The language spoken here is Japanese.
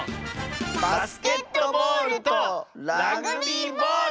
バスケットボールとラグビーボール！